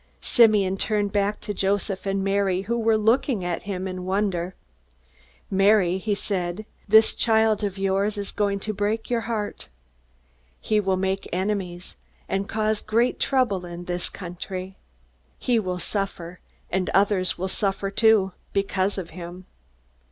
Simeon turned back to Joseph and Mary, who were looking at him in wonder. "Mary," he said, "this child of yours is going to break your heart. He will make enemies, and cause great trouble in this country. He will suffer, and others will suffer too, because of him.